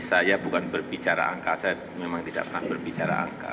saya bukan berbicara angka saya memang tidak pernah berbicara angka